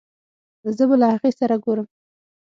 زه به له هغې سره ګورم